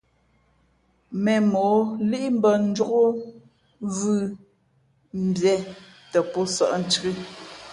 Mēmmᾱ o líʼ mbᾱ njǒkvʉ̄ mbiē tα pō sᾱʼ ncāk ǐ.